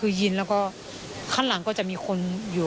ส่วนรถที่นายสอนชัยขับอยู่ระหว่างการรอให้ตำรวจสอบ